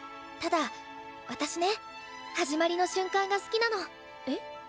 ただ私ね始まりの瞬間が好きなの。え？